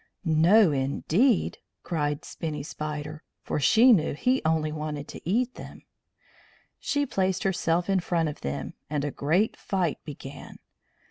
"No, indeed!" cried Spinny Spider, for she knew he only wanted to eat them. She placed herself in front of them, and a great fight began.